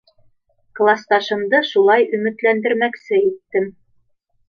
— Класташымды шулай өмөтләндермәксе иттем.